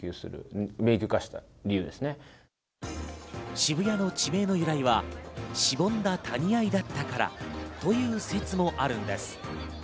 渋谷の地名の由来はしぼんだ谷あいだったからという説もあるんです。